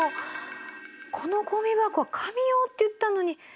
このごみ箱紙用って言ったのに。